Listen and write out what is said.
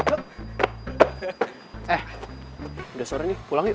eh udah sore nih pulang nih